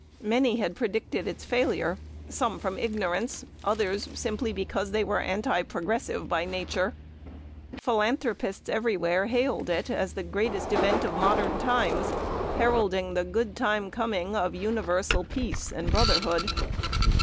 Many had predicted its failure, some from ignorance, others simply because they were anti progressives by nature. Philanthropists everywhere hailed it as the greatest event of modern times, heralding the good time coming of universal peace and brotherhood."